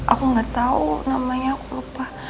aku gak tahu namanya aku lupa